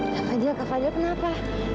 kak fadil kak fadil kenapa